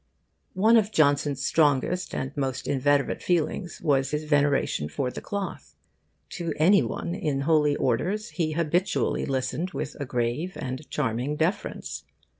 One of Johnson's strongest and most inveterate feelings was his veneration for the Cloth. To any one in Holy Orders he habitually listened with a grave and charming deference.